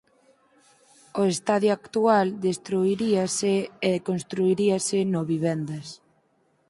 O estadio actual destruiríase e construiríase no vivendas.